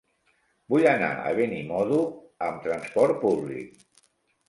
Vull anar a Benimodo amb transport públic.